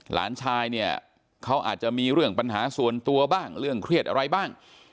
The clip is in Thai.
หลานชายเนี่ยเขาอาจจะมีเรื่องปัญหาส่วนตัวบ้างเรื่องเครียดอะไรบ้าง